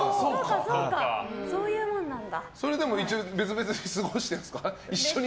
それでも一応別々に過ごしてるんですか？